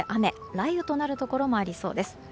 雷雨となるところもありそうです。